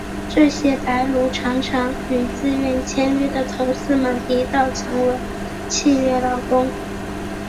这些白奴常常与自愿签约的同事们一道成为契约劳工。